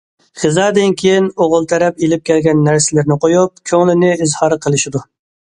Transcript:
غىزادىن كېيىن ئوغۇل تەرەپ ئېلىپ كەلگەن نەرسىلىرىنى قويۇپ، كۆڭلىنى ئىزھار قىلىشىدۇ.